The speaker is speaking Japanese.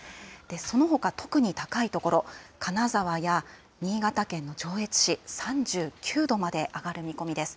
そのほか特に高い所、金沢や新潟県の上越市、３９度まで上がる見込みです。